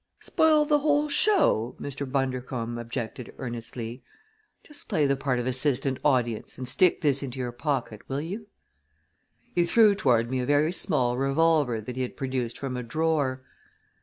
"Spoil the whole show?" Mr. Bundercombe objected earnestly. "Just play the part of assistant audience and stick this into your pocket, will you?" He threw toward me a very small revolver that he had produced from a drawer.